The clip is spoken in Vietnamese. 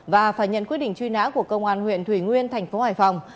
và phải nhận quyết định truy nã của công an huyện thủy nguyên thành phố hải phòng